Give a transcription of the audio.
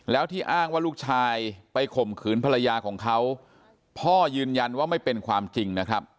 แล้วที่อ้างว่าลูกชายไปข่มขืนภรรยาของเขาพ่อยืนยันว่าไม่เป็นความจริงนะครับ